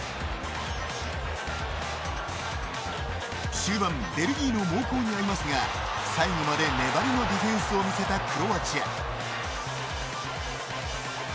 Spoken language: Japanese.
終盤、ベルギーの猛攻に遭いますが最後まで粘りのディフェンスを見せたクロアチア。